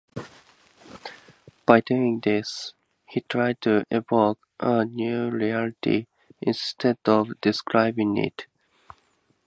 By doing this, he tried to "evoke" a new reality, instead of describing it.